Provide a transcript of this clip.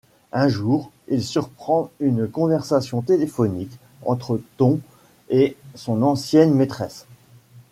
Un jour, il surprend une conversation téléphonique entre Ton et son ancienne maîtresse.